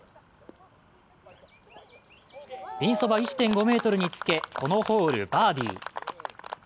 ピンそば１．５ｍにつけこのホール、バーディー。